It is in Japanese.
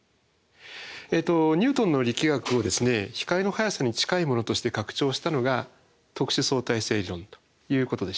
ニュートンの力学を光の速さに近いものとして拡張したのが特殊相対性理論ということでした。